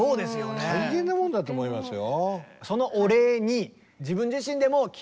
大変なものだと思いますよ。